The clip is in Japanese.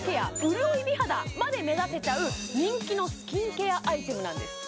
潤い美肌まで目指せちゃう人気のスキンケアアイテムなんです